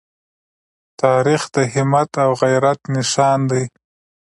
تاریخ د همت او غیرت نښان دی.